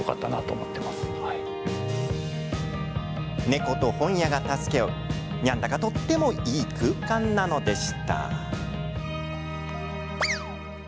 猫と本屋が助け合うニャンだかとってもいい空間なのでした。